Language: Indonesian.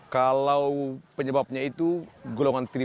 kalau ini penjantannya toro brett ini